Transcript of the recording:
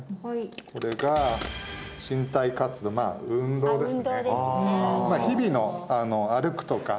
これが身体活動まあ運動ですね